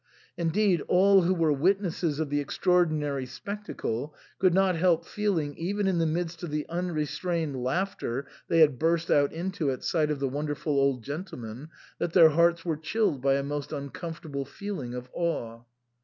Indeed, all who were witnesses of the extraordinary spectacle could not help feeling, even in the midst of the unre strained laughter they had burst out into at sight of the wonderful old gentleman, that their hearts were chilled by a most uncomfortable feeling of awe.